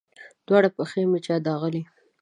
دواړې پښې مې چا داغلي